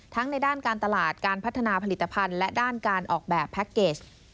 ในด้านการตลาดการพัฒนาผลิตภัณฑ์และด้านการออกแบบแพ็คเกจ